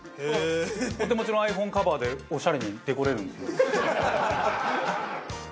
お手持ちのｉＰｈｏｎｅカバーでオシャレにデコれるんですよ。